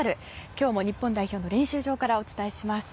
今日も、日本代表の練習場からお伝えします。